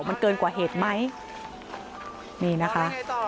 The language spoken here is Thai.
มันเกินกว่าเหตุไหมนี่นะคะ